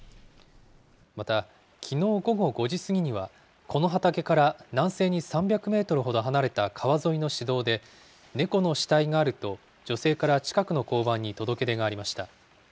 また、きのう午後５時過ぎには、この畑から南西に３００メートルほど離れた川沿いの市道で、猫の死体があると女性から近くの交番に届け出がありました。